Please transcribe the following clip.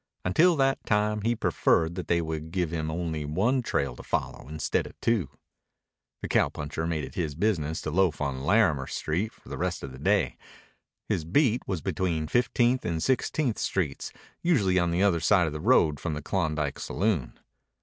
Until that time he preferred that they would give him only one trail to follow instead of two. The cowpuncher made it his business to loaf on Larimer Street for the rest of the day. His beat was between Fifteenth and Sixteenth Streets, usually on the other side of the road from the Klondike Saloon.